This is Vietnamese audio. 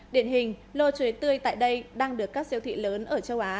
điển hình lô chuối tươi tại đây đang được các siêu thị lớn ở châu á